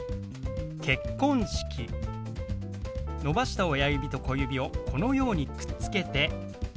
伸ばした親指と小指をこのようにくっつけて。